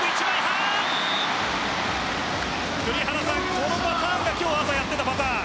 このパターンが今日、朝やっていたパターン。